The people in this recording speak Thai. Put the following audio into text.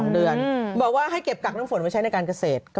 ๒เดือนบอกว่าให้เก็บกักน้ำฝนไว้ใช้ในการเกษตร